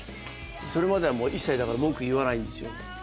それまでは一切文句言わないんですよ。